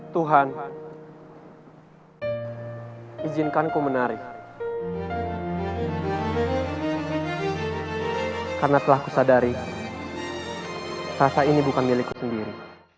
tuhan izinkanku menari karena telah ku sadari rasa ini bukan milikku sendiri